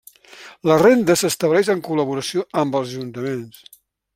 La renda s'estableix en col·laboració amb els ajuntaments.